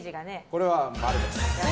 これは○です。